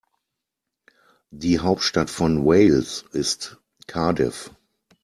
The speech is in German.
Die Hauptstadt von Wales ist Cardiff.